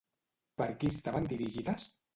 Per qui estaven dirigides?